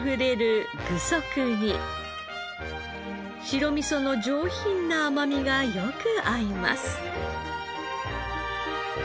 白味噌の上品な甘みがよく合います。